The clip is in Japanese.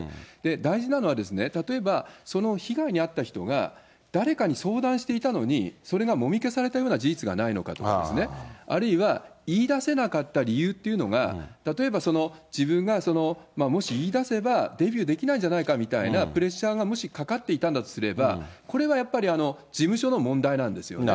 大事なのは、例えば、その被害に遭った人が、誰かに相談していたのに、それがもみ消されたような事実がないのかですね、あるいは言い出せなかった理由っていうのが、例えばその自分がもし言い出せばデビューできないんじゃないかみたいなプレッシャーがもしかかっていたんだとすれば、これはやっぱり、事務所の問題なんですよね。